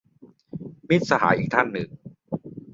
มิตรสหายอีกท่านหนึ่ง